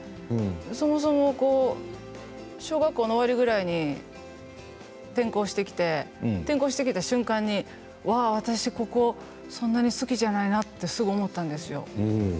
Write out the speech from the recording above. そもそも小学校の終わりぐらいに転校してきて転校してきた瞬間に、わあ、私ここ、そんなに好きじゃないなってすごく思ったんですよ。